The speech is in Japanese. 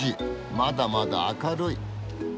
まだまだ明るい！